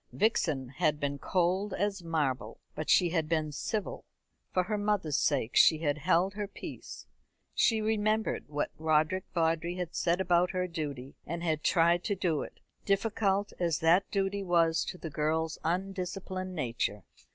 Vixen had been cold as marble, but she had been civil. For her mother's sake she had held her peace. She remembered what Roderick Vawdrey had said about her duty, and had tried to do it, difficult as that duty was to the girl's undisciplined nature.